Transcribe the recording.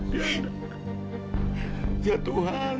diandra diandra sayang